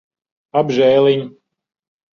Apžēliņ.